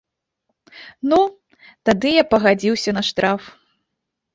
Ну, тады я пагадзіўся на штраф.